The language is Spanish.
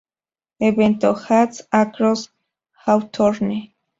Evento Hands Across Hawthorne